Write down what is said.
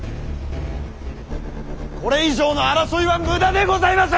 これ以上の争いは無駄でございます！